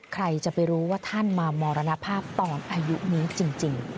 ใครจะไปรู้ว่าท่านมามรณภาพตอนอายุนี้จริง